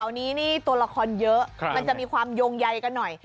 อันนี้นี่ตัวละครเยอะมันจะมีความโยงใยกันหน่อย